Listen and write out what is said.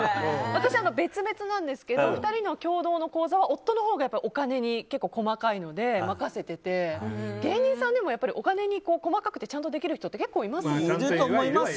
私は別々なんですけど２人の共同の口座は夫のほうがお金に結構細かいので任せてて芸人さんでもお金に細かくてちゃんとできる人って結構いますよね。